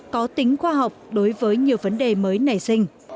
có tính khoa học đối với nhiều vấn đề mới nảy sinh